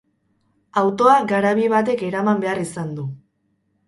Autoa garabi batek eraman behar izan du.